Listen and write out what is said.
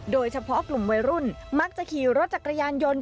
โดยเฉพาะกลุ่มวัยรุ่นมักจะขี่รถจักรยานยนต์